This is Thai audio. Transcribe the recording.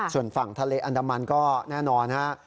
ส่วนฝั่งทะเลอันดามันก็แน่นอนฮะ